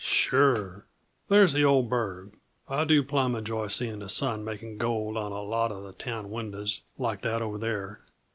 "Sure. There's the old burg I do plumb enjoy seeing the sun making gold on a lot uh town windows, like that over there.